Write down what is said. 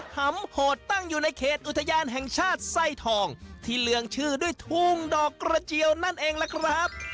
หำโหดตั้งอยู่ในเขตอุทยานแห่งชาติไส้ทองที่เหลืองชื่อด้วยทุ่งดอกกระเจียวนั่นเองล่ะครับ